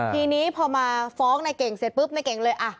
ทีนี้พอมาฟ้องในเก่งเสร็จปุ๊บในเก่งเลย